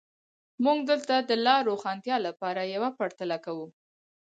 موږ دلته د لا روښانتیا لپاره یوه پرتله کوو.